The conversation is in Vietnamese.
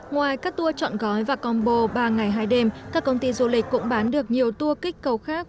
ngoài các tour chọn gói và combo ba ngày hai đêm các công ty du lịch cũng bán được nhiều tour kích cầu khác